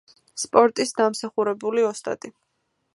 სპორტის დამსახურებული ოსტატი.